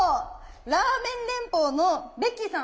ラーメン連邦のベッキーさん。